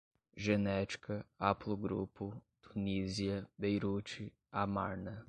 genética, haplogrupo, Tunísia, Beirute, Amarna